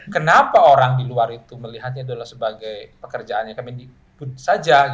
kenapa orang di luar itu melihatnya adalah sebagai pekerjaannya kemendikbud saja